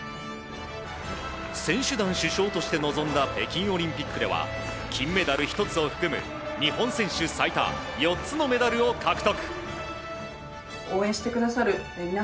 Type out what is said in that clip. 選手団主将として臨んだ北京オリンピックでは金メダル１つを含む日本選手最多４つのメダルを獲得。